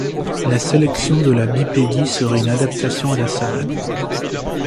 La sélection de la bipédie serait une adaptation à la savane.